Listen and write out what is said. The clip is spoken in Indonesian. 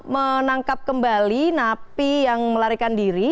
menangkap kembali napi yang melarikan diri